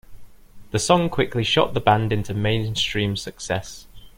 The song quickly shot the band into mainstream success.